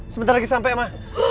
sebentar lagi sampe ma